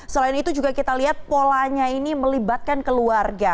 selain itu juga kita lihat polanya ini melibatkan keluarga